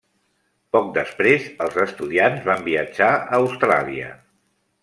Poc després, els estudiants van viatjar a Austràlia.